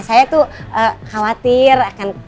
saya tuh khawatir akan